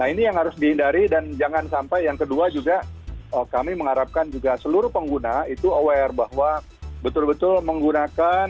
nah ini yang harus dihindari dan jangan sampai yang kedua juga kami mengharapkan juga seluruh pengguna itu aware bahwa betul betul menggunakan